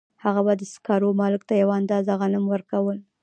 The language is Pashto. هغه به د سکارو مالک ته یوه اندازه غنم ورکول